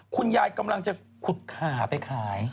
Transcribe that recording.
คุณยายกำลังจะขุดขาไปขาย